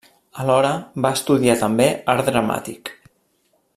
Alhora, va estudiar també Art Dramàtic.